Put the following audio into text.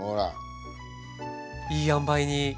いいあんばいに。